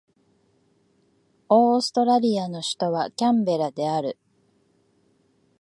オーストラリアの首都はキャンベラである